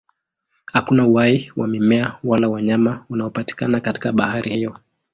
Hakuna uhai wa mimea wala wanyama unaopatikana katika bahari hiyo.